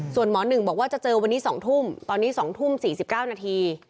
ส่วนหมอหนึ่งบอกว่าจะเจอวันนี้สองทุ่มตอนนี้สองทุ่มสี่สิบเก้านาที